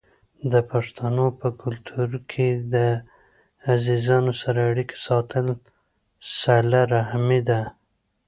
د پښتنو په کلتور کې د عزیزانو سره اړیکه ساتل صله رحمي ده.